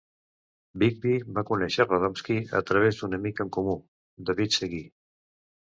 Bigbie va conèixer Radomski a través d'un amic en comú, David Segui.